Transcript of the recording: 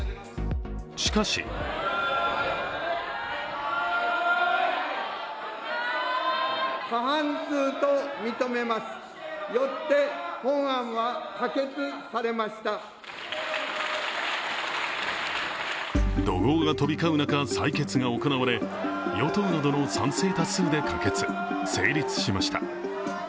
しかし怒号が飛び交う中、採決が行われ与党などの賛成多数で可決・成立しました。